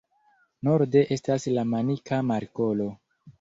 Norde estas la Manika Markolo.